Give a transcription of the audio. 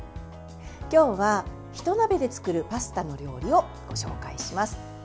今日は、ひと鍋で作るパスタの料理をご紹介します。